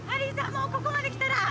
もうここまで来たら。